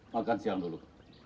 makan siang dulu